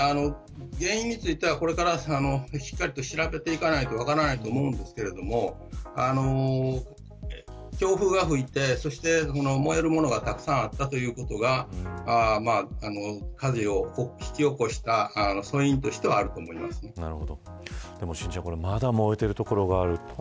原因についてはこれからしっかりと調べないと分からないと思うんですが強風が吹いて燃えるものがたくさんあったということが火事をひき起こしたでもまだ燃えている所がある。